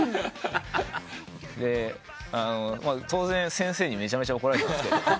当然先生にめちゃめちゃ怒られたんですけど。